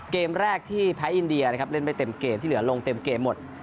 เกมแรกที่แพ้อินเดียนะครับเล่นไม่เต็มเกมที่เหลือลงเต็มเกมหมด